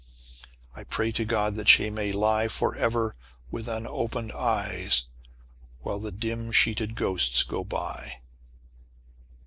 "I pray to God that she may lie Forever with unopened eye While the dim sheeted ghosts go by."